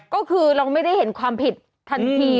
ก็คือเราไม่ได้เห็นความผิดทันที